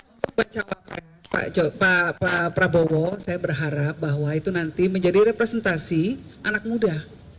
untuk bacawa pres pak prabowo saya berharap bahwa itu nanti menjadi representasi anak muda